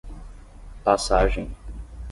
Passagem